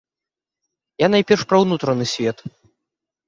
Я найперш пра ўнутраны свет.